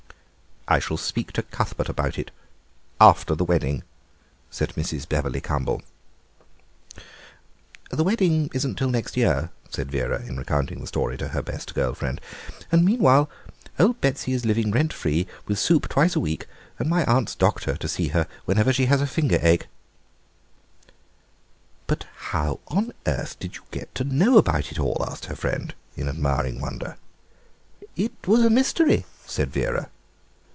"I shall speak to Cuthbert about it—after the wedding," said Mrs. Bebberly Cumble. "The wedding isn't till next year," said Vera, in recounting the story to her best girl friend, "and meanwhile old Betsy is living rent free, with soup twice a week and my aunt's doctor to see her whenever she has a finger ache." "But how on earth did you get to know about it all?" asked her friend, in admiring wonder. "It was a mystery—" said Vera.